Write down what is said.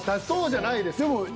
そうじゃないですか。